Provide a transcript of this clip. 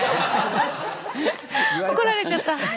怒られちゃった。